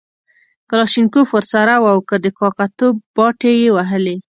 کلاشینکوف ورسره وو او د کاکه توب باټې یې وهلې.